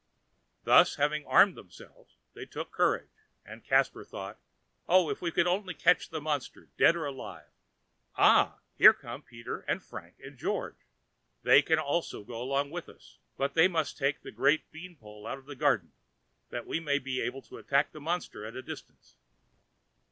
Thus, having armed themselves, they took courage, and Caspar thought: "Oh, if we could only catch the monster, dead or alive! Ah! here come Peter, and Frank, and George—they can also go with us, but they must take the great bean pole out of the garden, that we may be able to attack the monster at a distance."